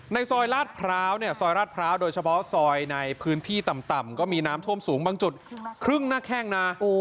ซอยลาดพร้าวเนี่ยซอยราชพร้าวโดยเฉพาะซอยในพื้นที่ต่ำก็มีน้ำท่วมสูงบางจุดครึ่งหน้าแข้งนะ